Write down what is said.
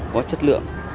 có chất lượng